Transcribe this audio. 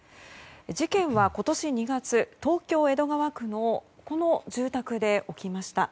事件は今年２月東京・江戸川区のこの住宅で起きました。